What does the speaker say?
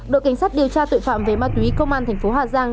đội cảnh sát điều tra tội phạm về ma túy công an thành phố hà giang